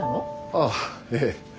ああええ。